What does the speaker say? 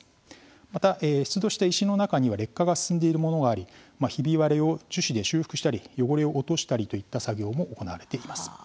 また、出土した石の中には劣化が進んでいるものがありひび割れを樹脂で修復したり汚れを落としたりといった作業も行われています。